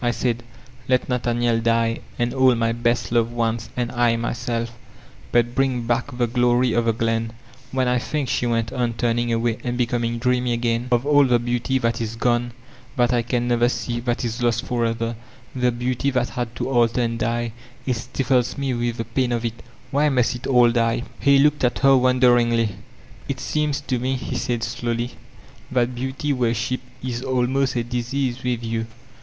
I said, 'Let Nathaniel die and all my best loved ones and I myself, but bring back the glory of the glen I" ''When I think," she went on turning away and becom ing dreamy again, "of all the beauty that is gone that I can never see, that is lost forever— the beauty that had to alter and die, — ^it stifles me with the pain of it Why must it all die? He looked at her wonderingly. "It seems to me, he said slowly, "that beauty worshq> is almost a disease with you.